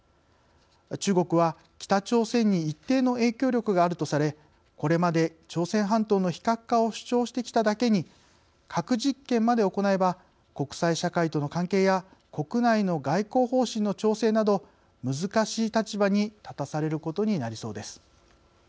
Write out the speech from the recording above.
中国は北朝鮮に一定の影響力があるとされこれまで朝鮮半島の非核化を主張してきただけに核実験まで行えば国際社会との関係や国内の外交方針の調整など難しい立場に立たされることになりそうです。